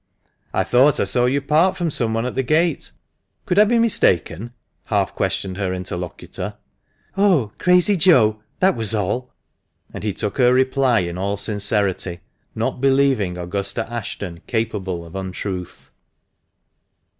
" I thought I saw you part from some one at the gate ? Could I be mistaken?" half questioned her interlocutor. "Oh, Crazy Joe! that was all!" and he took her reply in all sincerity, not believing Augusta Ashton capable of untruth.